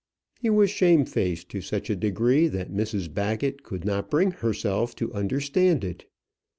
He was shamefaced to such a degree that Mrs Baggett could not bring herself to understand it.